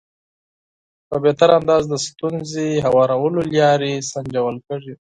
په بهتر انداز د ستونزې هوارولو لارې سنجول کېږي.